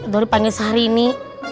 dori panggil sehari ini